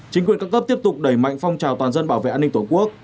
chính quyền các cấp tiếp tục đẩy mạnh phong trào toàn dân bảo vệ an ninh tổ quốc